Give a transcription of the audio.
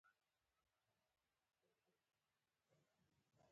ما وې خپل عیبونه به شمیرم د هنداره کې